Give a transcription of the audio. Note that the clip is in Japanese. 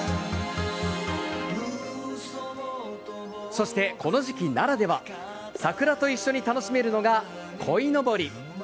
そしてこの時期ならでは桜と一緒に楽しめるのが鯉のぼり。